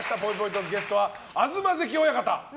トークゲストは東関親方。